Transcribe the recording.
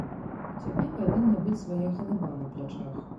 У цябе павінна быць свая галава на плячах.